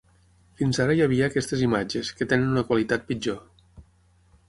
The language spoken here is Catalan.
Fins ara hi havia aquestes imatges, que tenen una qualitat pitjor.